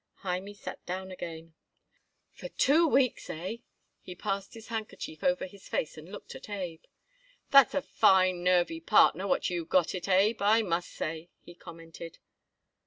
Hymie sat down again. "For two weeks, hey?" he said. He passed his handkerchief over his face and looked at Abe. "That's a fine, nervy partner what you got it, Abe, I must say," he commented.